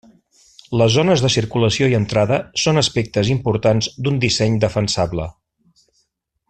Les zones de circulació i entrada són aspectes importants d'un disseny defensable.